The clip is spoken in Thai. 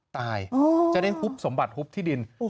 ตายจะได้หุบสมบัติฮุบที่ดิน